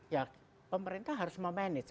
ya pemerintah harus memanage